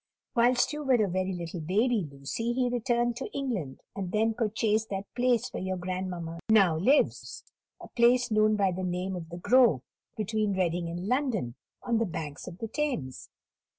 Whilst you were a very little baby, Lucy, he returned to England, and then purchased that place where your grandmamma now lives, a place known by the name of The Grove, between Reading and London, on the banks of the Thames.